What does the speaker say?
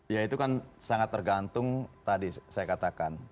ya itu kan sangat tergantung tadi saya katakan